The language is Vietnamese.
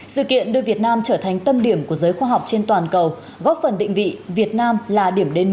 xin chào và hẹn gặp lại